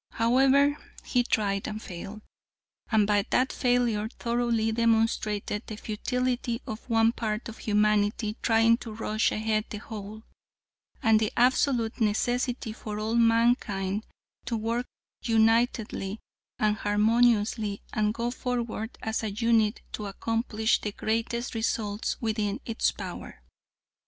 "However, he tried and failed, and by that failure thoroughly demonstrated the futility of one part of humanity trying to rush ahead of the whole, and the absolute necessity for all mankind to work unitedly and harmoniously, and go forward as a unit to accomplish the greatest results within its power."